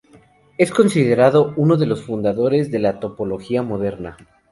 Es considerado uno de los fundadores de la Topología moderna.